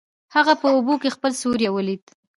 هغه په اوبو کې خپل سیوری ولید.